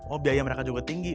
oh biaya mereka juga tinggi